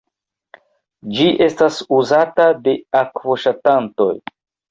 Ĝi estas uzata de akvoŝatantoj.